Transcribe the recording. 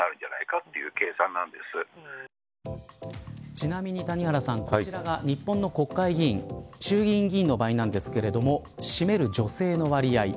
ちなみに、谷原さんこちらが日本の国会議員衆議院議員の場合なんですが占める女性の割合。